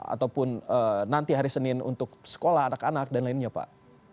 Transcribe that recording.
ataupun nanti hari senin untuk sekolah anak anak dan lainnya pak